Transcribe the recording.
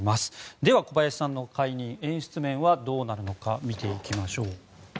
では、小林さんの解任で演出面がどうなるのか見ていきましょう。